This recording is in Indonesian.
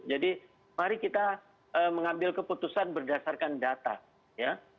mari kita mengambil keputusan berdasarkan data ya